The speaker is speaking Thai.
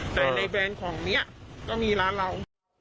แต่ในแบรนด์ของนี้ก็มีร้านเรา